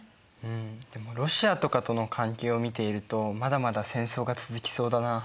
でもロシアとかとの関係を見ているとまだまだ戦争が続きそうだな。